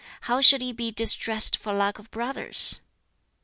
How should he be distressed for lack of brothers!'"